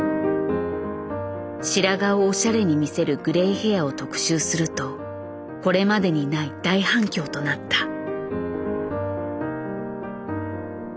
白髪をおしゃれに見せるグレイヘアを特集するとこれまでにない大反響となった。